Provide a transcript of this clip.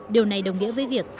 điều này đồng nghĩa với việc